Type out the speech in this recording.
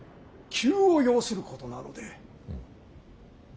急を要することなので。